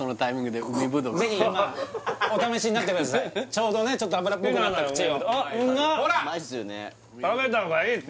ちょうどねちょっと脂っぽくなった口をうまっ！